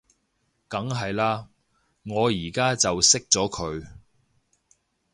梗係喇，我而家就熄咗佢